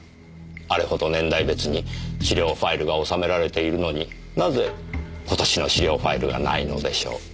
あれほど年代別に資料ファイルが収められているのになぜ今年の資料ファイルがないのでしょう。